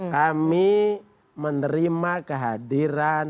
kami menerima kehadiran